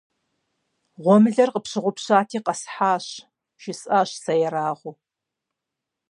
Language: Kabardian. - Гъуэмылэр къыпщыгъупщати къэсхьащ! - жысӀащ сэ ерагъыу.